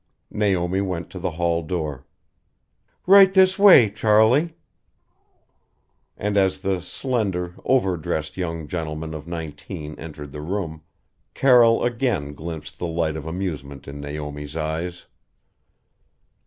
Naomi went to the hall door. "Right this way, Charley." And as the slender, overdressed young gentleman of nineteen entered the room, Carroll again glimpsed the light of amusement in Naomi's eyes.